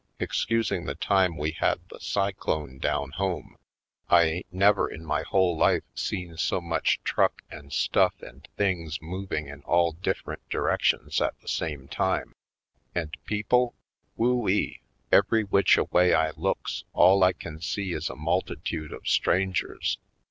Ex cusing the time we had the cyclone down home, I ain't never in my whole life seen 38 /. Poindextery Colored so much truck and stuff and things moving in all different directions at the same time. And people — who ee! Every which a way I looks all I can see is a multitude of stran gers.